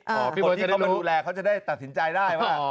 พี่โบ๊ยจะได้รู้คนที่เข้ามาดูแลเขาจะได้ตัดสินใจได้ว่าอ๋อ